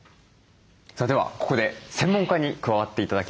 さあではここで専門家に加わって頂きます。